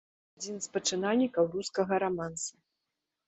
Адзін з пачынальнікаў рускага раманса.